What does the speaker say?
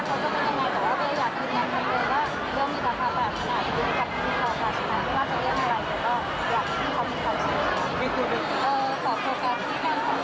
เพราะว่าเรื่องนี้เราคิดเห็นเหมือนกันเรามีคุณแม่งกับพี่เวีย